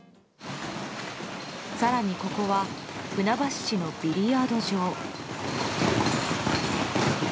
更に、ここは船橋市のビリヤード場。